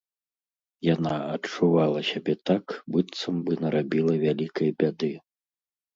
Яна адчувала сябе так, быццам бы нарабіла вялікай бяды.